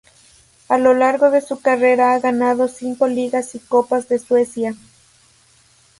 A lo largo de su carrera ha ganado cinco ligas y copas de Suecia.